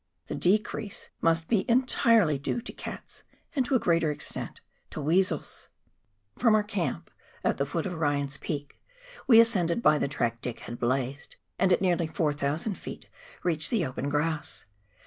The decrease must be entirely due to cats, and to a greater extent to weasels. From our camp at the foot of Ryan's Peak we ascended by the track Dick had blazed, and at nearly 4,000 ft. reached the open grass.